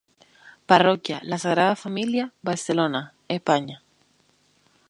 Parroquia ¨La Sagrada familia¨, Barcelona, España.